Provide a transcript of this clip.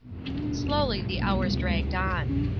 Slowly the hours dragged on.